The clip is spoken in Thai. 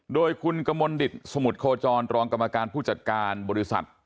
โดยคุณกมลดิตสมุทรโคจรรองกรรมการผู้จัดการบริษัท